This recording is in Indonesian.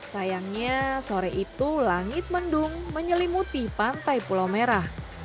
sayangnya sore itu langit mendung menyelimuti pantai pulau merah